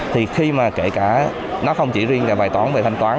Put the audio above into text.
thì khi mà kể cả nó không chỉ riêng là bài toán về thanh toán